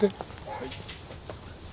はい。